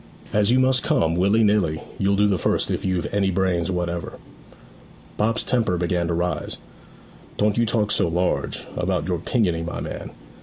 As you must come, willy nilly, you'll do the first if you've any brains whatever.' Bob's temper began to rise. 'Don't you talk so large, about your pinioning, my man.